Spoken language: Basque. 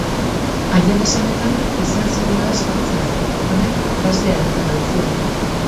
Haien esanetan, izen serioa ez jartzearren, honek grazia egiten baitzien.